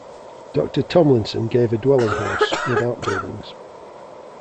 Doctor Thomlinson gave a dwelling house, with outbuildings.